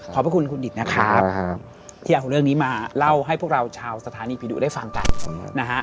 พระคุณคุณดิตนะครับที่เอาเรื่องนี้มาเล่าให้พวกเราชาวสถานีผีดุได้ฟังกันนะฮะ